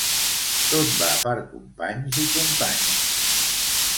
Tot va per companys i companyes.